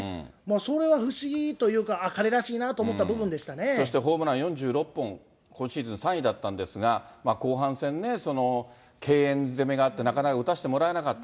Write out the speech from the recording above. それは不思議というか、あっ、そして、ホームラン４６本、今シーズン３位だったんですが、後半戦、敬遠攻めがあって、なかなか打たせてもらえなかった。